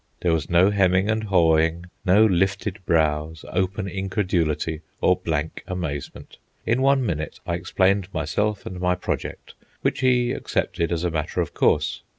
There was no hemming and hawing, no lifted brows, open incredulity, or blank amazement. In one minute I explained myself and my project, which he accepted as a matter of course.